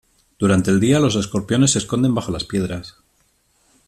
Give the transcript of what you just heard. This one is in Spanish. Durante el día los escorpiones se esconden bajo las piedras.